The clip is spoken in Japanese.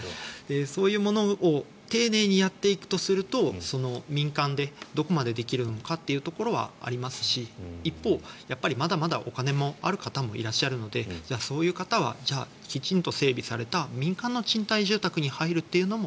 そういうものを丁寧にやっていくとすると民間でどこまでできるのかというところはありますし一方、まだまだお金もある方もいらっしゃるのでじゃあ、そういう方はきちんと整備された民間の賃貸住宅に入るというのも